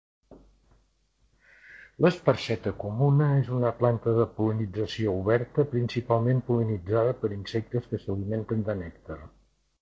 L'esparceta comuna és una planta de pol·linització oberta, principalment pol·linitzada per insectes que s'alimenten de nèctar.